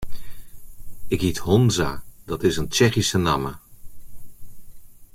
Ik hyt Honza, dat is in Tsjechyske namme.